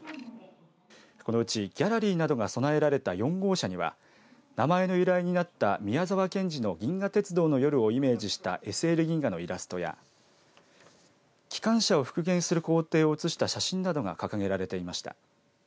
このうちギャラリーなどが備えられた４号車には名前の由来になった宮沢賢治の銀河鉄道の夜をイメージしたＳＬ銀河のイラストや機関車を復元する工程を写した写真などが掲げられていました。